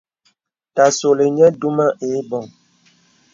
Ta solì nyə̀ dumə ìbɔŋ.